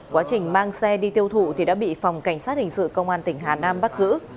quá trình mang xe đi tiêu thụ thì đã bị phòng cảnh sát hình sự công an tỉnh hà nam bắt giữ